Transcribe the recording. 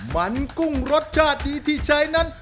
มันกุ้งรสชาติดีที่ใช้นั้น